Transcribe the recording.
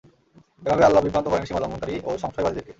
এভাবে আল্লাহ বিভ্রান্ত করেন সীমালংঘনকারী ও সংশয়বাদীদেরকে।